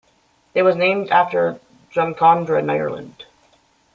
It was named after Drumcondra in Ireland.